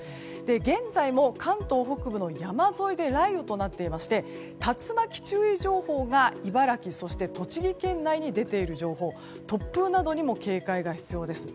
現在も、関東北部の山沿いで雷雨となっていまして竜巻注意情報が茨城、栃木県内に出ている情報突風にも警戒が必要です。